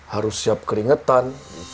harus siap keringetan